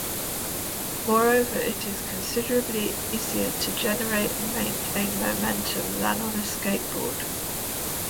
Moreover, it is considerably easier to generate and maintain momentum than on a skateboard.